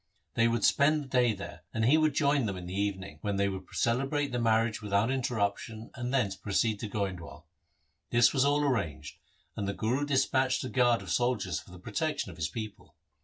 They would spend the day there, and he would join them in the evening, when they would celebrate the marriage without interruption, and thence proceed to Goindwal. This was all arranged, and the Guru dispatched a guard of soldiers for the protection of his people.